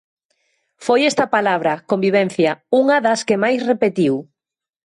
Foi esta palabra, convivencia, unha das que máis repetiu.